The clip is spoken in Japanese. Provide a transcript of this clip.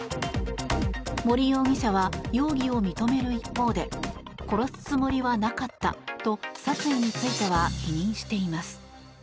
森容疑者は容疑を認める一方で殺すつもりはなかったと殺意については否認しています。